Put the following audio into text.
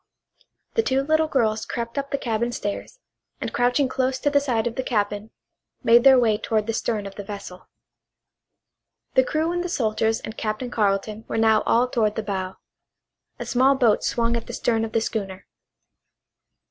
The two little girls crept up the cabin stairs, and crouching close to the side of the cabin made their way toward the stern of the vessel. The crew and the soldiers and Captain Carleton were now all toward the bow. A small boat swung at the stern of the schooner.